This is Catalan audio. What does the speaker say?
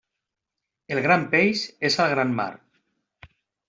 El gran peix és al gran mar.